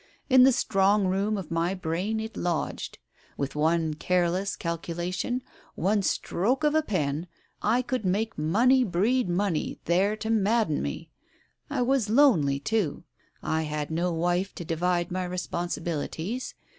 In the strong room of my brain it lodged. With one careless calculation, one stroke of a pen, I could make money breed money there to madden me. I was lonely, too. I had no wife to divide my responsibilities.